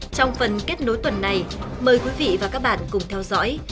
trong phần kết nối tuần này mời quý vị và các bạn cùng theo dõi